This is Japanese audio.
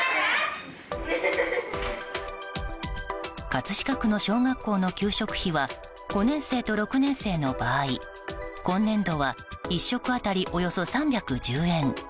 葛飾区の小学校の給食費は５年生と６年生の場合今年度は１食当たり、およそ３１０円。